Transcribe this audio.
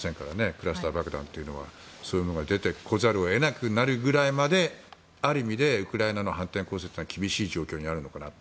クラスター爆弾というのはそういうのが出てこざるを得なくなるぐらいまである意味でウクライナの反転攻勢は厳しい状況にあるのかなと。